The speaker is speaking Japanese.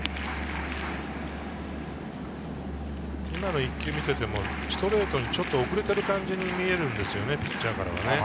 今の１球を見ていても、ストレートに遅れている感じに見えますよね、ピッチャーからは。